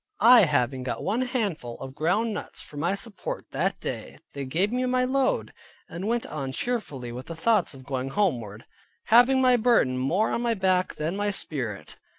I having got one handful of ground nuts, for my support that day, they gave me my load, and I went on cheerfully (with the thoughts of going homeward), having my burden more on my back than my spirit.